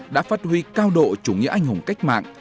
đã phát huy cao độ chủ nghĩa anh hùng cách mạng